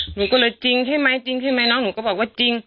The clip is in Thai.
หนูก็เลยจริงใช่ไหมจริงใช่ไหมน้องหนูก็บอกว่าจริง